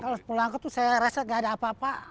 kalau polanco tuh saya rasa gak ada apa apa